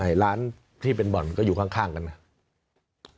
ไอ้ร้านที่เป็นบ่อนก็อยู่ข้างกันนะครับ